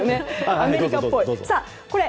アメリカっぽい。